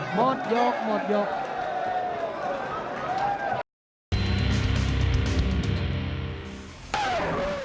หมดยกหมดยก